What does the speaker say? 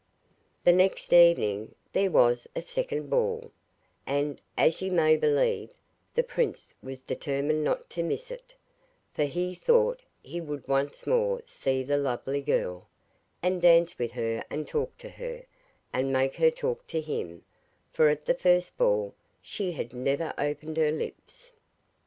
The next evening there was a second ball, and, as you may believe, the prince was determined not to miss it, for he thought he would once more see the lovely girl, and dance with her and talk to her, and make her talk to him, for at the first ball she had never opened her lips.